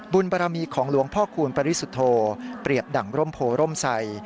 บรมีของหลวงพ่อคูณปริสุทธโธเปรียบดั่งร่มโพร่มใส